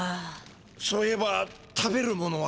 そういえば食べるものは？